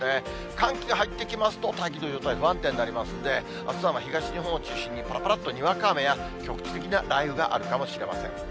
寒気が入ってきますと、大気の状態不安定になりますので、あすは東日本を中心に、ぱらぱらっとにわか雨や局地的な雷雨があるかもしれません。